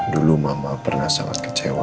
dulu mama pernah sangat kecewa